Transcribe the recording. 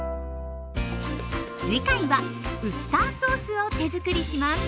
次回はウスターソースを手づくりします。